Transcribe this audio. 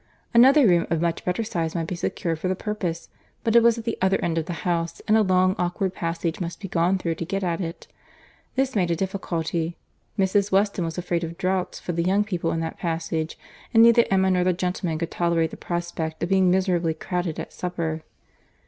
Another room of much better size might be secured for the purpose; but it was at the other end of the house, and a long awkward passage must be gone through to get at it. This made a difficulty. Mrs. Weston was afraid of draughts for the young people in that passage; and neither Emma nor the gentlemen could tolerate the prospect of being miserably crowded at supper.